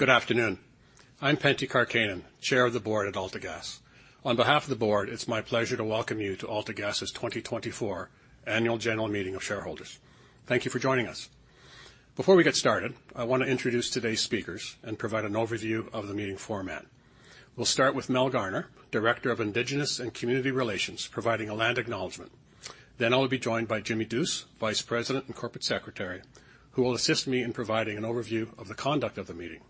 Good afternoon. I'm Pentti Karkkainen, Chair of the Board at AltaGas. On behalf of the board, it's my pleasure to welcome you to AltaGas's 2024 Annual General Meeting of Shareholders. Thank you for joining us. Before we get started, I want to introduce today's speakers and provide an overview of the meeting format. We'll start with Mel Gerner, Director of Indigenous and Community Relations, providing a land acknowledgement. Then I'll be joined by Jimmi Duce, Vice President and Corporate Secretary, who will assist me in providing an overview of the conduct of the meeting.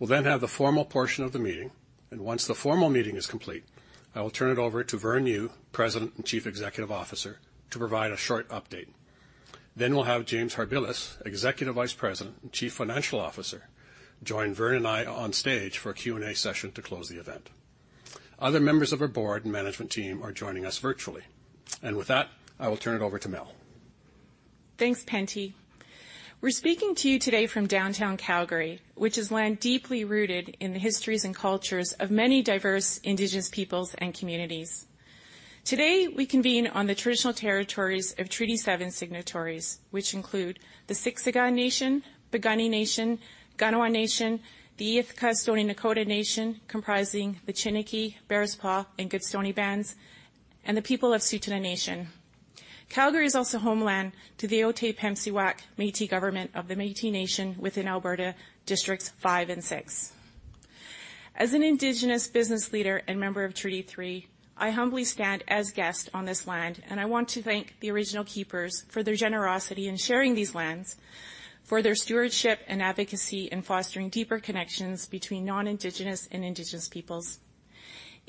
We'll then have the formal portion of the meeting, and once the formal meeting is complete, I will turn it over to Vern Yu, President and Chief Executive Officer, to provide a short update. We'll have James Harbilas, Executive Vice President and Chief Financial Officer, join Vern and I on stage for a Q&A session to close the event. Other members of our board and management team are joining us virtually. With that, I will turn it over to Mel. Thanks, Pentti. We're speaking to you today from downtown Calgary, which is land deeply rooted in the histories and cultures of many diverse Indigenous peoples and communities. Today, we convene on the traditional territories of Treaty Seven signatories, which include the Siksika Nation, the Piikani Nation, the Kainai Nation, the Îethka Stoney Nakoda Nation, comprising the Chiniki, Bearspaw, and Goodstoney bands, and the people of Tsuut'ina Nation. Calgary is also homeland to the Otipemisiwak Métis Government of the Métis Nation within Alberta Districts Five and Six. As an Indigenous business leader and member of Treaty Three, I humbly stand as guest on this land, and I want to thank the original keepers for their generosity in sharing these lands, for their stewardship and advocacy, and fostering deeper connections between non-Indigenous and Indigenous peoples.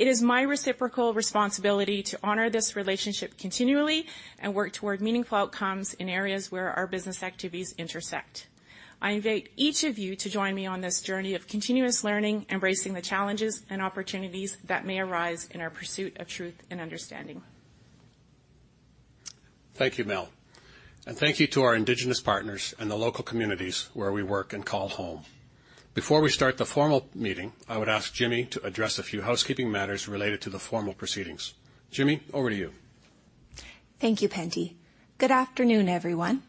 It is my reciprocal responsibility to honor this relationship continually and work toward meaningful outcomes in areas where our business activities intersect. I invite each of you to join me on this journey of continuous learning, embracing the challenges and opportunities that may arise in our pursuit of truth and understanding. Thank you, Mel, and thank you to our Indigenous partners and the local communities where we work and call home. Before we start the formal meeting, I would ask Jimmi to address a few housekeeping matters related to the formal proceedings. Jimmi, over to you. Thank you, Pentti. Good afternoon, everyone.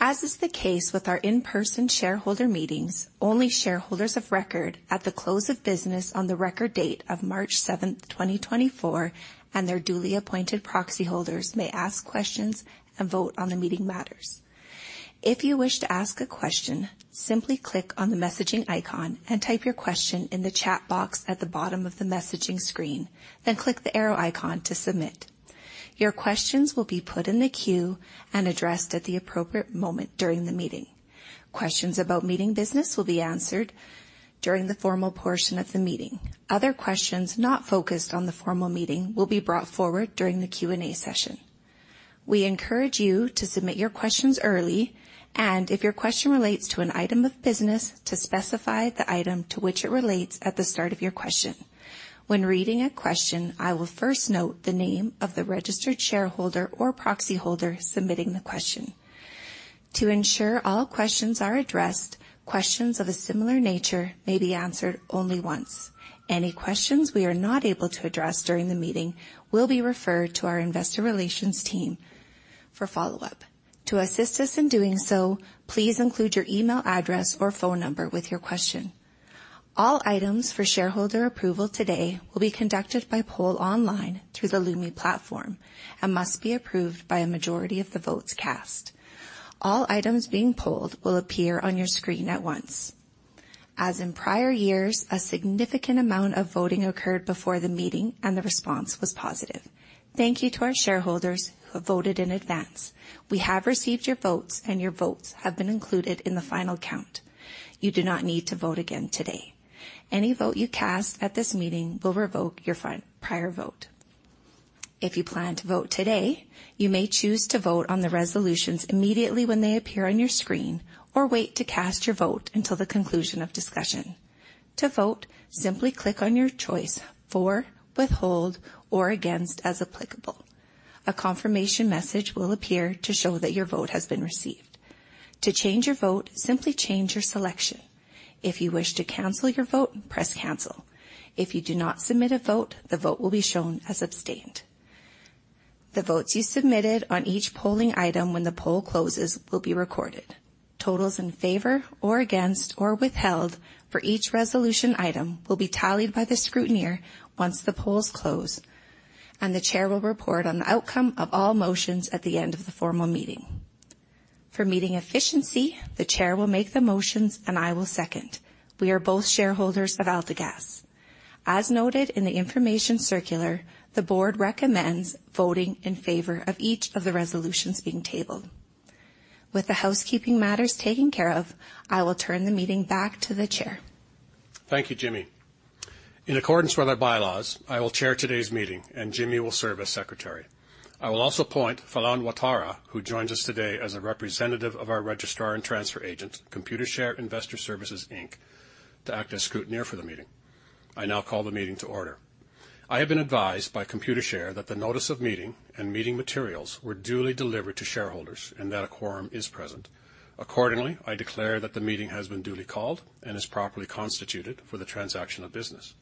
As is the case with our in-person shareholder meetings, only shareholders of record at the close of business on the record date of March seventh, twenty twenty-four, and their duly appointed proxy holders may ask questions and vote on the meeting matters. If you wish to ask a question, simply click on the messaging icon and type your question in the chat box at the bottom of the messaging screen, then click the arrow icon to submit. Your questions will be put in the queue and addressed at the appropriate moment during the meeting. Questions about meeting business will be answered during the formal portion of the meeting. Other questions not focused on the formal meeting will be brought forward during the Q&A session. We encourage you to submit your questions early, and if your question relates to an item of business, to specify the item to which it relates at the start of your question. When reading a question, I will first note the name of the registered shareholder or proxyholder submitting the question. To ensure all questions are addressed, questions of a similar nature may be answered only once. Any questions we are not able to address during the meeting will be referred to our investor relations team for follow-up. To assist us in doing so, please include your email address or phone number with your question. All items for shareholder approval today will be conducted by poll online through the Lumi platform and must be approved by a majority of the votes cast. All items being polled will appear on your screen at once. As in prior years, a significant amount of voting occurred before the meeting, and the response was positive. Thank you to our shareholders who have voted in advance. We have received your votes, and your votes have been included in the final count. You do not need to vote again today. Any vote you cast at this meeting will revoke your prior vote. If you plan to vote today, you may choose to vote on the resolutions immediately when they appear on your screen, or wait to cast your vote until the conclusion of discussion. To vote, simply click on your choice, "For," "Withhold," or "Against," as applicable. A confirmation message will appear to show that your vote has been received. To change your vote, simply change your selection. If you wish to cancel your vote, press Cancel. If you do not submit a vote, the vote will be shown as abstained. The votes you submitted on each polling item when the poll closes will be recorded. Totals in favor or against, or withheld for each resolution item will be tallied by the scrutineer once the polls close, and the chair will report on the outcome of all motions at the end of the formal meeting. For meeting efficiency, the chair will make the motions, and I will second. We are both shareholders of AltaGas. As noted in the information circular, the board recommends voting in favor of each of the resolutions being tabled. With the housekeeping matters taken care of, I will turn the meeting back to the chair. Thank you, Jimmi. In accordance with our bylaws, I will chair today's meeting, and Jimmi will serve as secretary. I will also appoint Falon Watara, who joins us today as a representative of our registrar and transfer agent, Computershare Investor Services, Inc., to act as scrutineer for the meeting. I now call the meeting to order. I have been advised by Computershare that the notice of meeting and meeting materials were duly delivered to shareholders and that a quorum is present. Accordingly, I declare that the meeting has been duly called and is properly constituted for the transaction of business.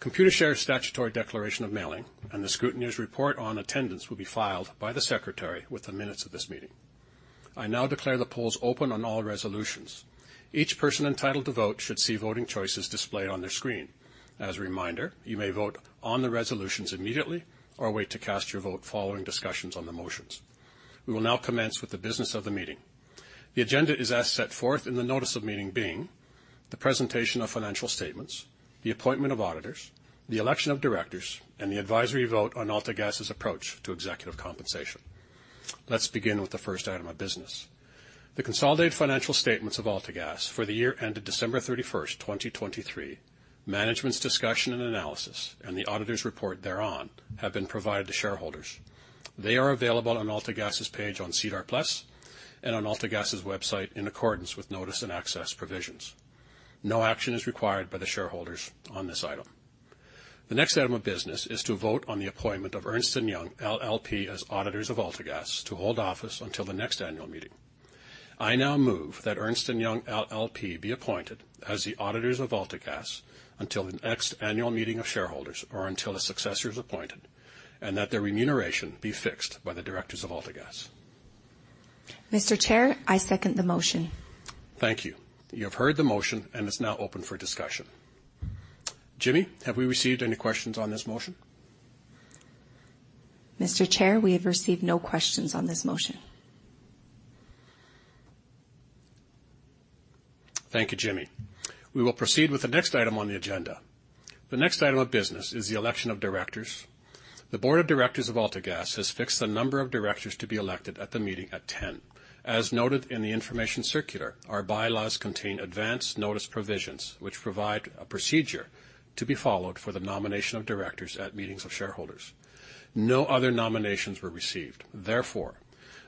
Computershare's statutory declaration of mailing and the scrutineer's report on attendance will be filed by the secretary with the minutes of this meeting. I now declare the polls open on all resolutions. Each person entitled to vote should see voting choices displayed on their screen. As a reminder, you may vote on the resolutions immediately or wait to cast your vote following discussions on the motions. We will now commence with the business of the meeting. The agenda is as set forth in the notice of meeting, being the presentation of financial statements, the appointment of auditors, the election of directors, and the advisory vote on AltaGas's approach to executive compensation. Let's begin with the first item of business. The consolidated financial statements of AltaGas for the year ended December 31, 2023, management's discussion and analysis, and the auditor's report thereon, have been provided to shareholders. They are available on AltaGas's page on SEDAR+ and on AltaGas's website, in accordance with notice and access provisions. No action is required by the shareholders on this item. The next item of business is to vote on the appointment of Ernst & Young LLP as auditors of AltaGas to hold office until the next annual meeting. I now move that Ernst & Young LLP be appointed as the auditors of AltaGas until the next annual meeting of shareholders or until a successor is appointed, and that their remuneration be fixed by the directors of AltaGas. Mr. Chair, I second the motion. Thank you. You have heard the motion, and it's now open for discussion. Jimmi, have we received any questions on this motion? Mr. Chair, we have received no questions on this motion. Thank you, Jimmi. We will proceed with the next item on the agenda. The next item of business is the election of directors. The board of directors of AltaGas has fixed the number of directors to be elected at the meeting at ten. As noted in the information circular, our bylaws contain advance notice provisions, which provide a procedure to be followed for the nomination of directors at meetings of shareholders. No other nominations were received. Therefore,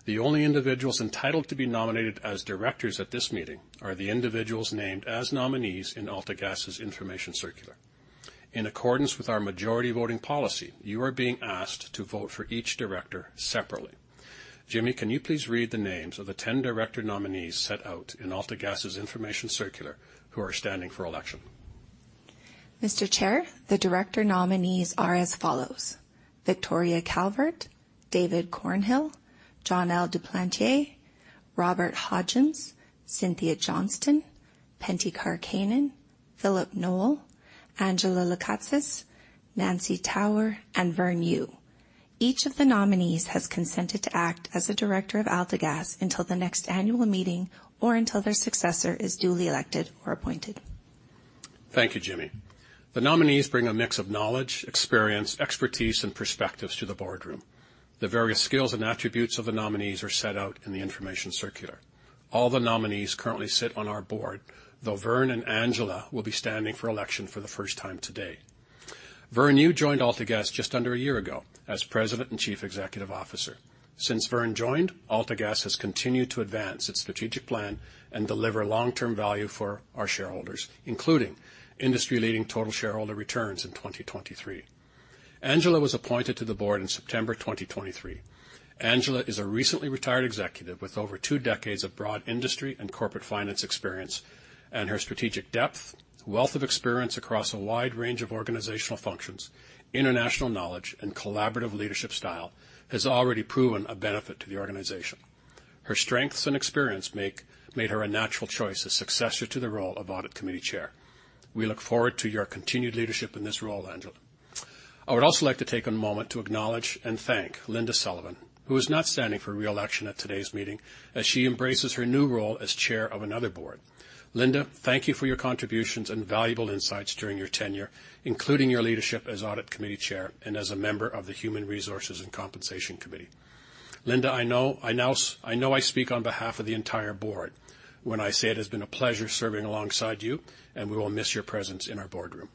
the only individuals entitled to be nominated as directors at this meeting are the individuals named as nominees in AltaGas's information circular. In accordance with our majority voting policy, you are being asked to vote for each director separately. Jimmi, can you please read the names of the ten director nominees set out in AltaGas's information circular, who are standing for election? Mr. Chair, the director nominees are as follows: Victoria Calvert, David Cornhill, John L. Duplantier, Robert Hodgins, Cynthia Johnston, Pentti Karkkainen, Phillip Knoll, Angela Lekatsas, Nancy Tower, and Vern Yu. Each of the nominees has consented to act as a director of AltaGas until the next annual meeting or until their successor is duly elected or appointed. Thank you, Jimmi. The nominees bring a mix of knowledge, experience, expertise, and perspectives to the boardroom. The various skills and attributes of the nominees are set out in the information circular. All the nominees currently sit on our board, though Vern and Angela will be standing for election for the first time today. Vern Yu joined AltaGas just under a year ago as President and Chief Executive Officer. Since Vern joined, AltaGas has continued to advance its strategic plan and deliver long-term value for our shareholders, including industry-leading total shareholder returns in 2023. Angela was appointed to the board in September 2023. Angela is a recently retired executive with over two decades of broad industry and corporate finance experience, and her strategic depth, wealth of experience across a wide range of organizational functions, international knowledge, and collaborative leadership style has already proven a benefit to the organization. Her strengths and experience made her a natural choice as successor to the role of audit committee chair. We look forward to your continued leadership in this role, Angela. I would also like to take a moment to acknowledge and thank Linda Sullivan, who is not standing for re-election at today's meeting as she embraces her new role as chair of another board. Linda, thank you for your contributions and valuable insights during your tenure, including your leadership as audit committee chair and as a member of the Human Resources and Compensation Committee. Linda, I know I speak on behalf of the entire board when I say it has been a pleasure serving alongside you, and we will miss your presence in our boardroom.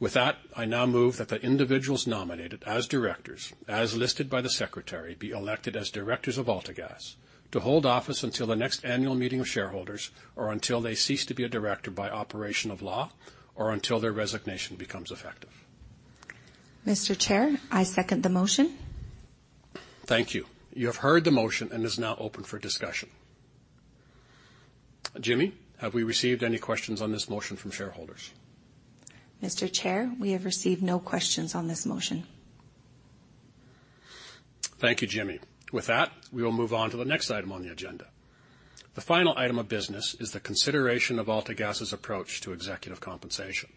With that, I now move that the individuals nominated as directors, as listed by the secretary, be elected as directors of AltaGas to hold office until the next annual meeting of shareholders, or until they cease to be a director by operation of law, or until their resignation becomes effective. Mr. Chair, I second the motion. Thank you. You have heard the motion and it's now open for discussion. Jimmi, have we received any questions on this motion from shareholders? Mr. Chair, we have received no questions on this motion. Thank you, Jimmi. With that, we will move on to the next item on the agenda. The final item of business is the consideration of AltaGas's approach to executive compensation.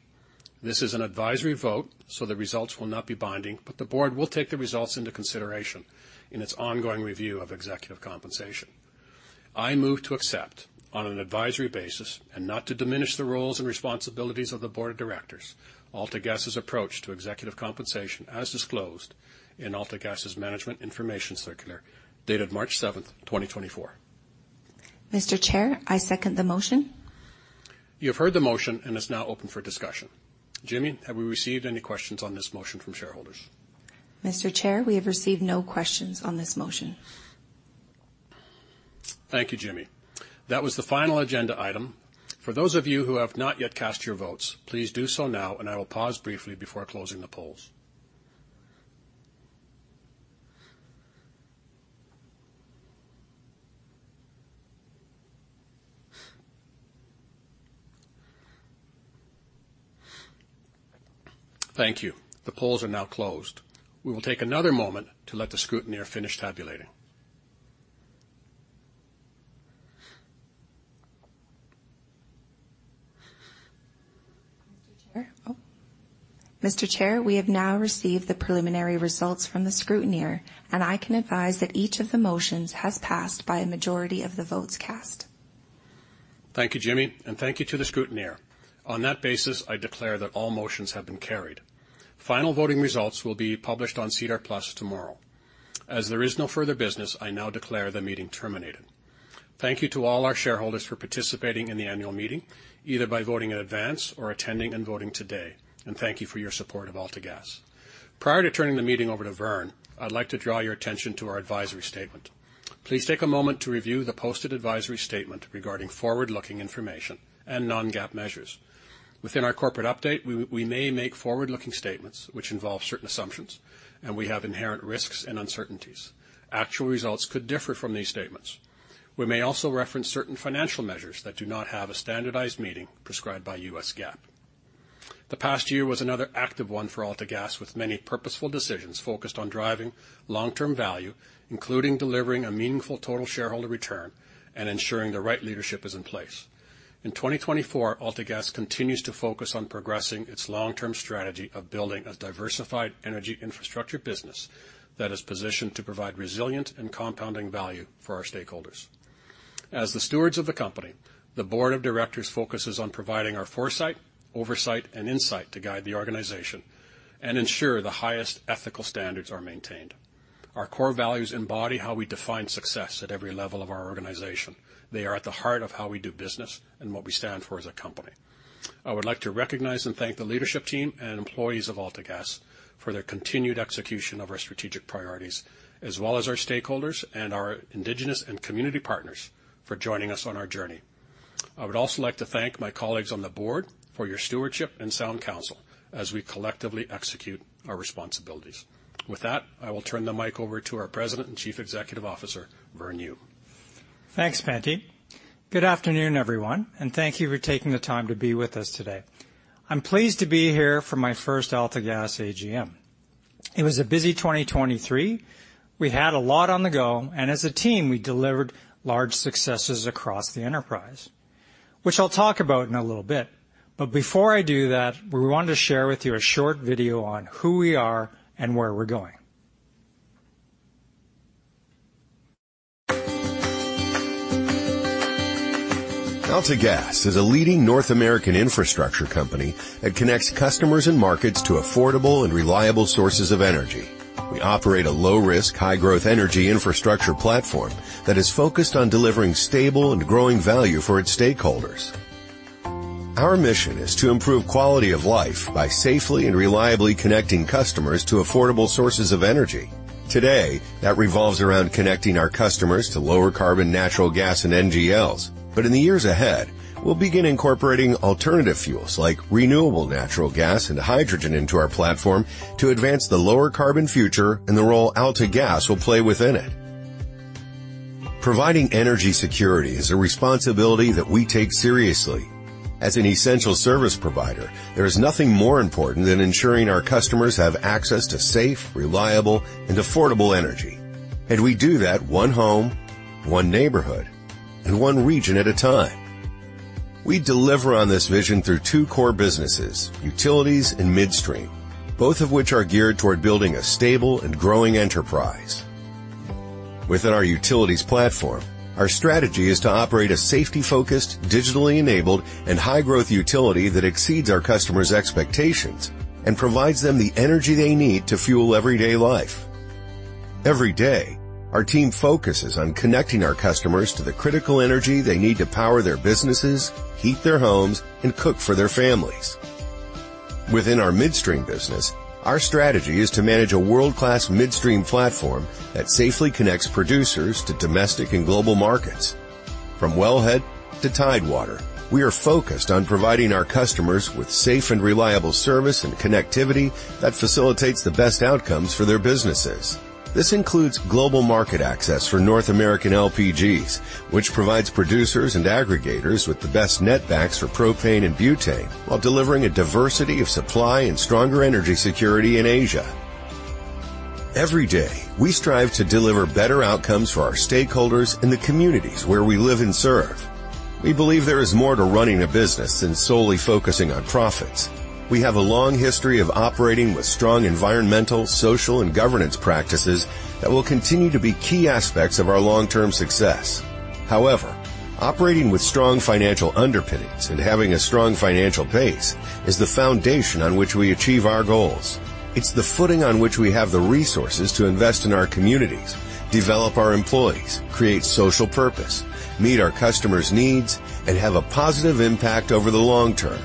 This is an advisory vote, so the results will not be binding, but the board will take the results into consideration in its ongoing review of executive compensation. I move to accept, on an advisory basis and not to diminish the roles and responsibilities of the board of directors, AltaGas's approach to executive compensation, as disclosed in AltaGas's Management Information Circular, dated March 7, 2024. Mr. Chair, I second the motion. You have heard the motion, and it's now open for discussion. Jimmi, have we received any questions on this motion from shareholders? Mr. Chair, we have received no questions on this motion. Thank you, Jimmi. That was the final agenda item. For those of you who have not yet cast your votes, please do so now, and I will pause briefly before closing the polls.... Thank you. The polls are now closed. We will take another moment to let the scrutineer finish tabulating. Mr. Chair? Oh, Mr. Chair, we have now received the preliminary results from the scrutineer, and I can advise that each of the motions has passed by a majority of the votes cast. Thank you, Jimmi, and thank you to the scrutineer. On that basis, I declare that all motions have been carried. Final voting results will be published on SEDAR+ tomorrow. As there is no further business, I now declare the meeting terminated. Thank you to all our shareholders for participating in the annual meeting, either by voting in advance or attending and voting today, and thank you for your support of AltaGas. Prior to turning the meeting over to Vern, I'd like to draw your attention to our advisory statement. Please take a moment to review the posted advisory statement regarding forward-looking information and non-GAAP measures. Within our corporate update, we may make forward-looking statements which involve certain assumptions, and we have inherent risks and uncertainties. Actual results could differ from these statements. We may also reference certain financial measures that do not have a standardized meaning prescribed by U.S. GAAP. The past year was another active one for AltaGas, with many purposeful decisions focused on driving long-term value, including delivering a meaningful total shareholder return and ensuring the right leadership is in place. In 2024, AltaGas continues to focus on progressing its long-term strategy of building a diversified energy infrastructure business that is positioned to provide resilient and compounding value for our stakeholders. As the stewards of the company, the board of directors focuses on providing our foresight, oversight, and insight to guide the organization and ensure the highest ethical standards are maintained. Our core values embody how we define success at every level of our organization. They are at the heart of how we do business and what we stand for as a company. I would like to recognize and thank the leadership team and employees of AltaGas for their continued execution of our strategic priorities, as well as our stakeholders and our Indigenous and community partners for joining us on our journey. I would also like to thank my colleagues on the board for your stewardship and sound counsel as we collectively execute our responsibilities. With that, I will turn the mic over to our President and Chief Executive Officer, Vern Yu. Thanks, Pentti. Good afternoon, everyone, and thank you for taking the time to be with us today. I'm pleased to be here for my first AltaGas AGM. It was a busy 2023. We had a lot on the go, and as a team, we delivered large successes across the enterprise, which I'll talk about in a little bit. But before I do that, we want to share with you a short video on who we are and where we're going. AltaGas is a leading North American infrastructure company that connects customers and markets to affordable and reliable sources of energy. We operate a low-risk, high-growth energy infrastructure platform that is focused on delivering stable and growing value for its stakeholders. Our mission is to improve quality of life by safely and reliably connecting customers to affordable sources of energy. Today, that revolves around connecting our customers to lower carbon natural gas and NGLs. But in the years ahead, we'll begin incorporating alternative fuels like renewable natural gas and hydrogen into our platform to advance the lower carbon future and the role AltaGas will play within it. Providing energy security is a responsibility that we take seriously. As an essential service provider, there is nothing more important than ensuring our customers have access to safe, reliable, and affordable energy, and we do that one home, one neighborhood, and one region at a time. We deliver on this vision through two core businesses, utilities and midstream, both of which are geared toward building a stable and growing enterprise. Within our utilities platform, our strategy is to operate a safety-focused, digitally enabled, and high-growth utility that exceeds our customers' expectations and provides them the energy they need to fuel everyday life. Every day, our team focuses on connecting our customers to the critical energy they need to power their businesses, heat their homes, and cook for their families. Within our midstream business, our strategy is to manage a world-class midstream platform that safely connects producers to domestic and global markets. From wellhead to tidewater, we are focused on providing our customers with safe and reliable service and connectivity that facilitates the best outcomes for their businesses. This includes global market access for North American LPGs, which provides producers and aggregators with the best netbacks for propane and butane, while delivering a diversity of supply and stronger energy security in Asia. Every day, we strive to deliver better outcomes for our stakeholders in the communities where we live and serve. We believe there is more to running a business than solely focusing on profits. We have a long history of operating with strong environmental, social, and governance practices that will continue to be key aspects of our long-term success. However, operating with strong financial underpinnings and having a strong financial base is the foundation on which we achieve our goals. It's the footing on which we have the resources to invest in our communities, develop our employees, create social purpose, meet our customers' needs, and have a positive impact over the long term.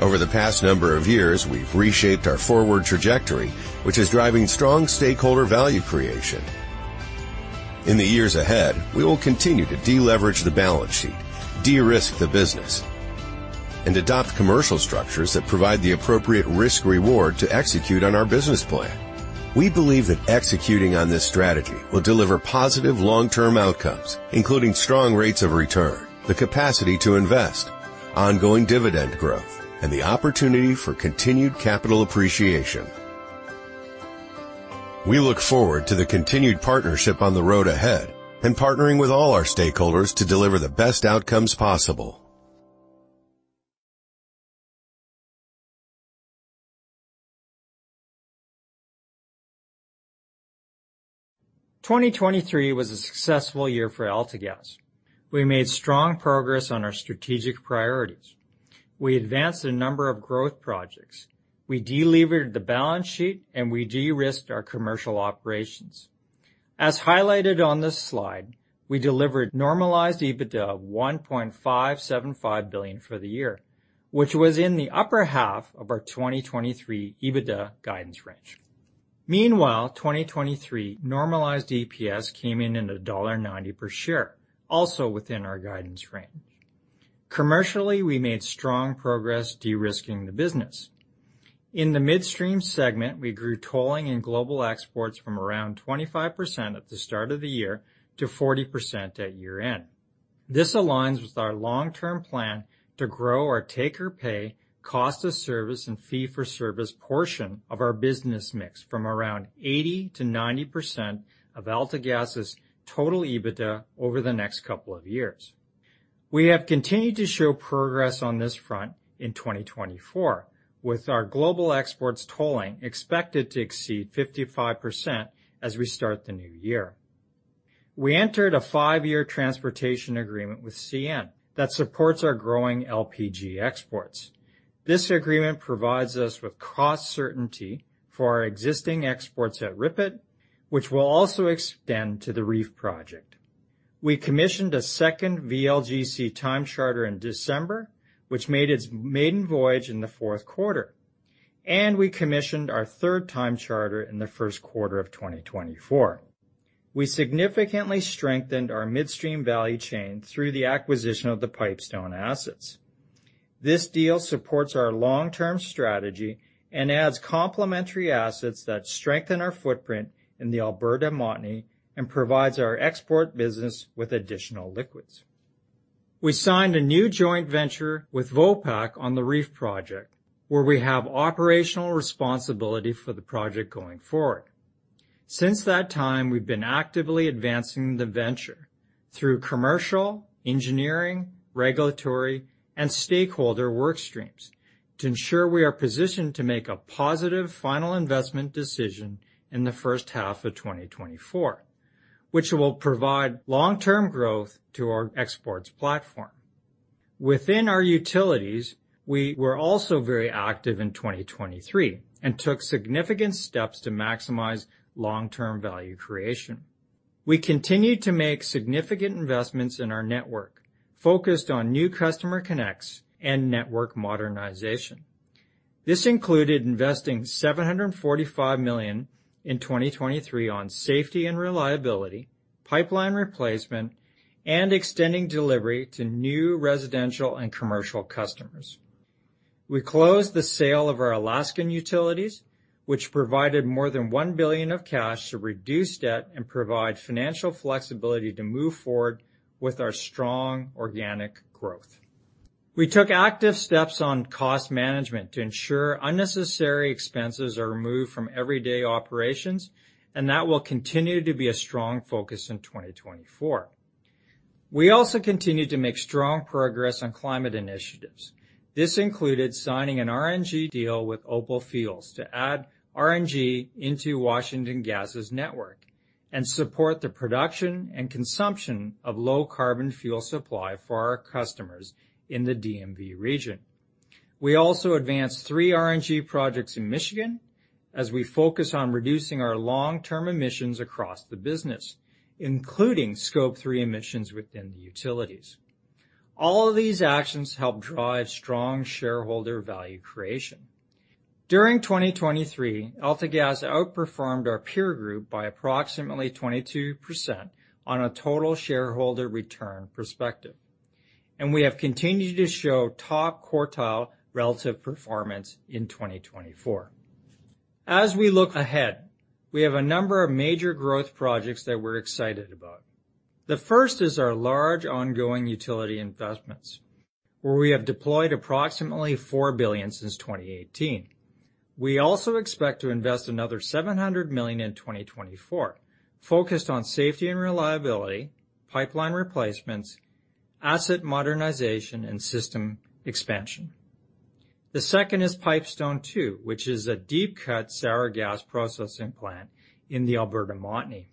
Over the past number of years, we've reshaped our forward trajectory, which is driving strong stakeholder value creation. In the years ahead, we will continue to deleverage the balance sheet, de-risk the business, and adopt commercial structures that provide the appropriate risk-reward to execute on our business plan.... We believe that executing on this strategy will deliver positive long-term outcomes, including strong rates of return, the capacity to invest, ongoing dividend growth, and the opportunity for continued capital appreciation. We look forward to the continued partnership on the road ahead and partnering with all our stakeholders to deliver the best outcomes possible. 2023 was a successful year for AltaGas. We made strong progress on our strategic priorities. We advanced a number of growth projects. We de-levered the balance sheet, and we de-risked our commercial operations. As highlighted on this slide, we delivered normalized EBITDA of 1.575 billion for the year, which was in the upper half of our 2023 EBITDA guidance range. Meanwhile, 2023 normalized EPS came in at dollar 1.90 per share, also within our guidance range. Commercially, we made strong progress de-risking the business. In the midstream segment, we grew tolling and global exports from around 25% at the start of the year to 40% at year-end. This aligns with our long-term plan to grow our take or pay, cost of service, and fee for service portion of our business mix from around 80%-90% of AltaGas's total EBITDA over the next couple of years. We have continued to show progress on this front in 2024, with our global exports tolling expected to exceed 55% as we start the new year. We entered a 5-year transportation agreement with CN that supports our growing LPG exports. This agreement provides us with cost certainty for our existing exports at Ridley Island, which will also extend to the REEF project. We commissioned a second VLGC time charter in December, which made its maiden voyage in the fourth quarter, and we commissioned our third time charter in the first quarter of 2024. We significantly strengthened our midstream value chain through the acquisition of the Pipestone assets. This deal supports our long-term strategy and adds complementary assets that strengthen our footprint in the Alberta Montney and provides our export business with additional liquids. We signed a new joint venture with Vopak on the REEF project, where we have operational responsibility for the project going forward. Since that time, we've been actively advancing the venture through commercial, engineering, regulatory, and stakeholder work streams to ensure we are positioned to make a positive final investment decision in the first half of 2024, which will provide long-term growth to our exports platform. Within our utilities, we were also very active in 2023 and took significant steps to maximize long-term value creation. We continued to make significant investments in our network, focused on new customer connects and network modernization. This included investing 745 million in 2023 on safety and reliability, pipeline replacement, and extending delivery to new residential and commercial customers. We closed the sale of our Alaskan utilities, which provided more than $1 billion of cash to reduce debt and provide financial flexibility to move forward with our strong organic growth. We took active steps on cost management to ensure unnecessary expenses are removed from everyday operations, and that will continue to be a strong focus in 2024. We also continued to make strong progress on climate initiatives. This included signing an RNG deal with Opal Fuels to add RNG into Washington Gas' network and support the production and consumption of low carbon fuel supply for our customers in the DMV region. We also advanced three RNG projects in Michigan as we focus on reducing our long-term emissions across the business, including Scope 3 emissions within the utilities. All of these actions help drive strong shareholder value creation. During 2023, AltaGas outperformed our peer group by approximately 22% on a total shareholder return perspective, and we have continued to show top quartile relative performance in 2024. As we look ahead, we have a number of major growth projects that we're excited about. The first is our large ongoing utility investments, where we have deployed approximately 4 billion since 2018. We also expect to invest another 700 million in 2024, focused on safety and reliability, pipeline replacements, asset modernization, and system expansion. The second is Pipestone 2, which is a deep cut sour gas processing plant in the Alberta Montney.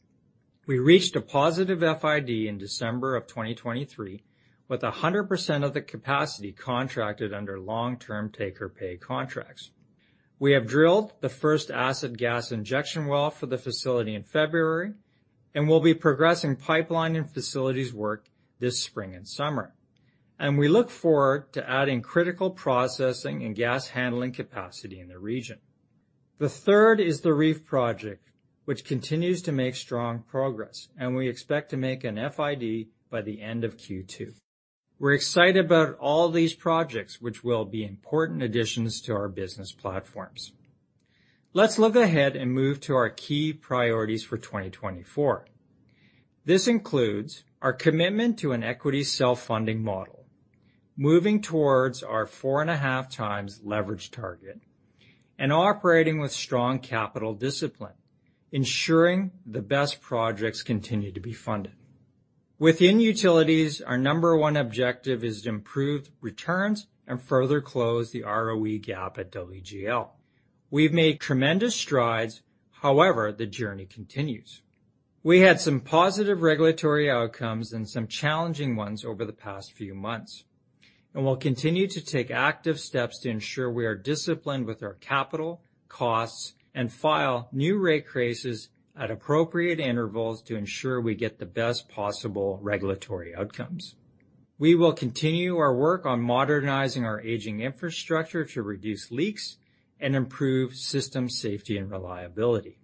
We reached a positive FID in December 2023, with 100% of the capacity contracted under long-term take-or-pay contracts. We have drilled the first acid gas injection well for the facility in February and will be progressing pipeline and facilities work this spring and summer, and we look forward to adding critical processing and gas handling capacity in the region. The third is the REEF project, which continues to make strong progress, and we expect to make an FID by the end of Q2. We're excited about all these projects, which will be important additions to our business platforms. Let's look ahead and move to our key priorities for 2024. This includes our commitment to an equity self-funding model, moving towards our 4.5x leverage target, and operating with strong capital discipline, ensuring the best projects continue to be funded. Within utilities, our number one objective is to improve returns and further close the ROE gap at WGL. We've made tremendous strides, however, the journey continues. We had some positive regulatory outcomes and some challenging ones over the past few months, and we'll continue to take active steps to ensure we are disciplined with our capital, costs, and file new rate increases at appropriate intervals to ensure we get the best possible regulatory outcomes. We will continue our work on modernizing our aging infrastructure to reduce leaks and improve system safety and reliability.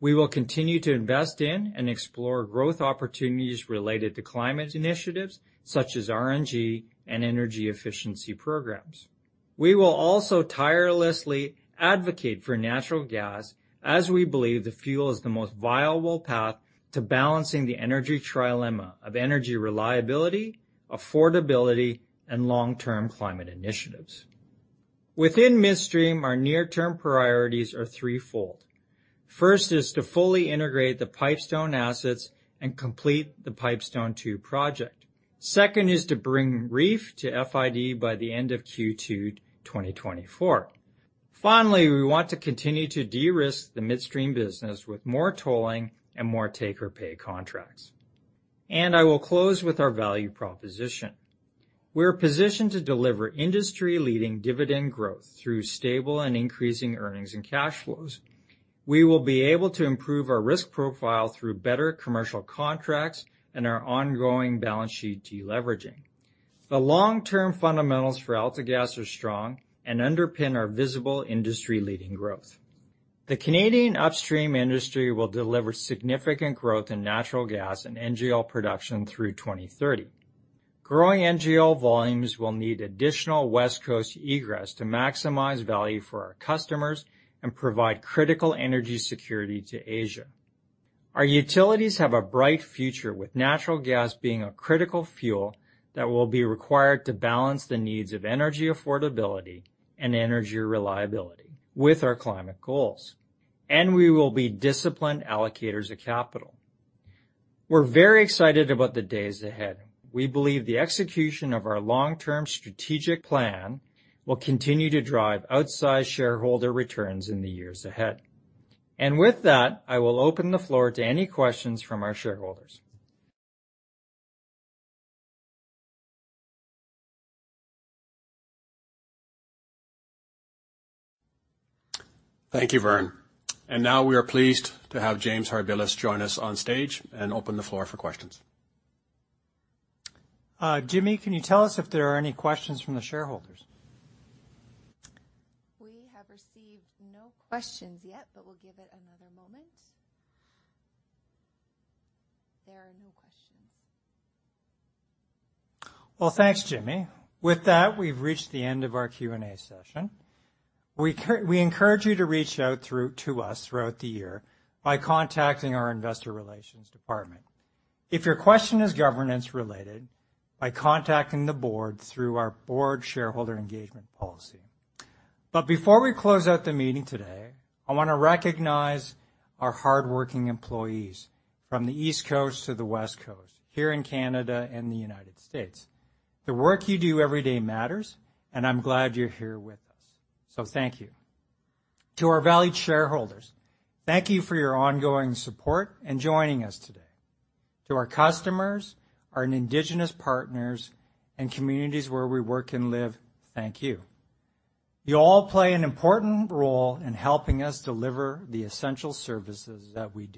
We will continue to invest in and explore growth opportunities related to climate initiatives such as RNG and energy efficiency programs. We will also tirelessly advocate for natural gas, as we believe the fuel is the most viable path to balancing the energy trilemma of energy reliability, affordability, and long-term climate initiatives. Within Midstream, our near-term priorities are threefold. First is to fully integrate the Pipestone assets and complete the Pipestone Two project. Second is to bring REEF to FID by the end of Q2 2024. Finally, we want to continue to de-risk the midstream business with more tolling and more take-or-pay contracts. I will close with our value proposition. We're positioned to deliver industry-leading dividend growth through stable and increasing earnings and cash flows. We will be able to improve our risk profile through better commercial contracts and our ongoing balance sheet deleveraging. The long-term fundamentals for AltaGas are strong and underpin our visible industry-leading growth. The Canadian upstream industry will deliver significant growth in natural gas and NGL production through 2030. Growing NGL volumes will need additional West Coast egress to maximize value for our customers and provide critical energy security to Asia. Our utilities have a bright future, with natural gas being a critical fuel that will be required to balance the needs of energy affordability and energy reliability with our climate goals, and we will be disciplined allocators of capital. We're very excited about the days ahead. We believe the execution of our long-term strategic plan will continue to drive outsized shareholder returns in the years ahead. With that, I will open the floor to any questions from our shareholders. Thank you, Vern. Now we are pleased to have James Harbilas join us on stage and open the floor for questions. Jimmi, can you tell us if there are any questions from the shareholders? We have received no questions yet, but we'll give it another moment. There are no questions. Well, thanks, Jimmi. With that, we've reached the end of our Q&A session. We encourage you to reach out through to us throughout the year by contacting our investor relations department. If your question is governance related, by contacting the board through our board shareholder engagement policy. But before we close out the meeting today, I want to recognize our hardworking employees from the East Coast to the West Coast, here in Canada and the United States. The work you do every day matters, and I'm glad you're here with us, so thank you. To our valued shareholders, thank you for your ongoing support and joining us today. To our customers, our Indigenous partners, and communities where we work and live, thank you. You all play an important role in helping us deliver the essential services that we do.